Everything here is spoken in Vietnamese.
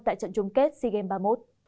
tại trận chung kết sea games ba mươi một